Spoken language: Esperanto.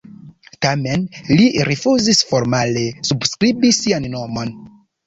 Tamen li rifuzis formale subskribi sian nomon.